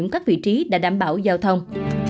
các vị trí đã đảm bảo giao thông